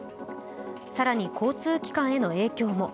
更に交通機関への影響も。